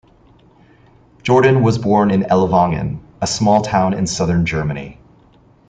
Jordan was born in Ellwangen, a small town in southern Germany.